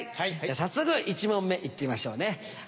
早速１問目行ってみましょうね。